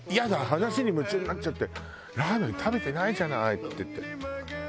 話に夢中になっちゃってラーメン食べてないじゃない！」って言って。